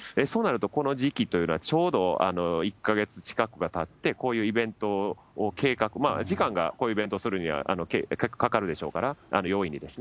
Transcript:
そうなると、この時期というのは、ちょうど１か月近くがたって、こういうイベントを計画、時間が、こういうイベントをするにはかかるでしょうから、容易に。